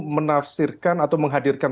menafsirkan atau menghadirkan